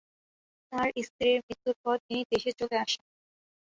তার স্ত্রীর মৃত্যুর পর তিনি দেশে চলে আসেন।